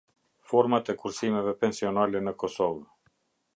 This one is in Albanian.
Format e Kursimeve Pensionale në Kosovë.